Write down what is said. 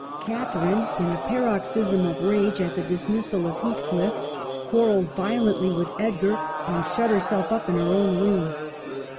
Catharine, in a paroxysm of rage at the dismissal of Heath cliff, quarrelled violently with Edgar, and shut herself up in her own room.